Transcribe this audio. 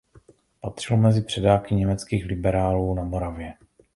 Patřil mezi předáky německých liberálů na Moravě.